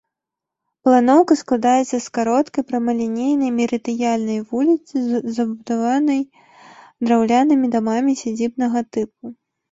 Планоўка складаецца з кароткай прамалінейнай, мерыдыянальнай вуліцы, забудаванай драўлянымі дамамі сядзібнага тыпу.